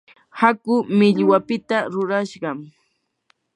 hakuu millwapita rurashqam.